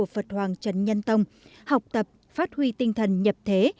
phật hoàng trần nhân tông học tập phát huy tinh thần nhập thế